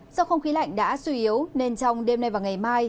do không khí lạnh đã suy yếu nên trong đêm nay và ngày mai